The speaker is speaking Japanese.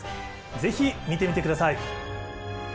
是非見てみてください。